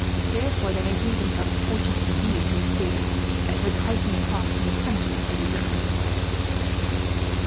Therefore they may think themselves fortunate, indeed, to escape at so trifling a cost from the punishment they deserve."